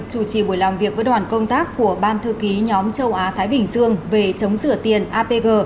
chủ trì buổi làm việc với đoàn công tác của ban thư ký nhóm châu á thái bình dương về chống sửa tiền apg